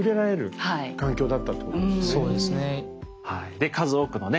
で数多くのね